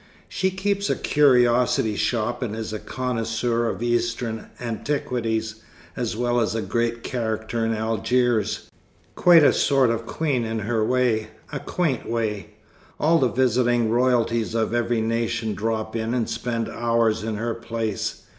She keeps a curiosity shop, and is a connoisseur of Eastern antiquities, as well as a great character in Algiers, quite a sort of queen in her way a quaint way. All the visiting Royalties of every nation drop in and spend hours in her place.